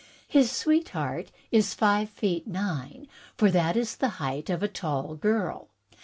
His sweetheart is five feet nine, for that is the height of a tall girl.